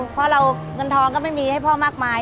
เพราะเราเงินทองก็ไม่มีให้พ่อมากมาย